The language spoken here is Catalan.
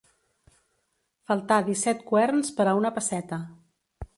Faltar disset qüerns per a una pesseta.